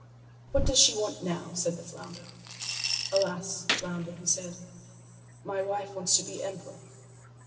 "What does she want now?" said the flounder. "Alas, flounder," he said, "my wife wants to be emperor."